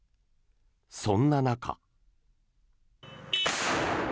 そんな中。